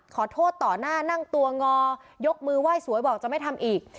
ขอโทษต่อหน้านั่งตัวงอยกมือไหว้สวยบอกจะไม่ทำอีก